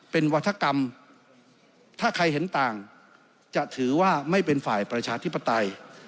เป็นวัฒกรรมถ้าใครเห็นต่างจะถือว่าไม่เป็นฝ่ายประชาธิปไตย